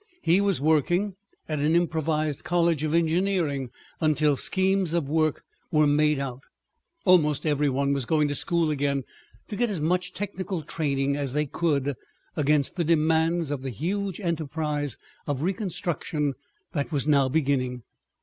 He was working at an improvised college of engineering. Until schemes of work were made out, almost every one was going to school again to get as much technical training as they could against the demands of the huge enterprise of reconstruction that was now beginning.